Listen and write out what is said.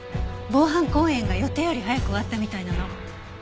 防犯公演が予定より早く終わったみたいなの。